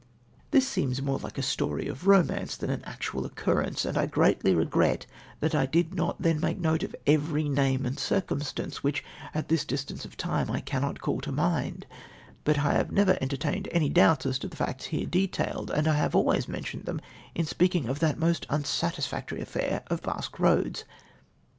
" This seems more like a story of romance than an actual occurrence, and I greatly regret tliat I did not then make note of every name and circumstance, which at this distance of time I cannot call to mind, but I have never entertained any doubts as to the facts here detailed, and I have always mentioned them in speaking of that most unsatisfactory affair of Basque Roads.